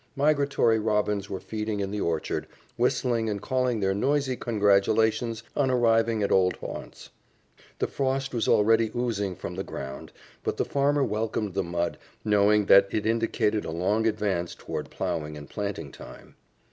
Migratory robins were feeding in the orchard, whistling and calling their noisy congratulations on arriving at old haunts. The frost was already oozing from the ground, but the farmer welcomed the mud, knowing that it indicated a long advance toward plowing and planting time.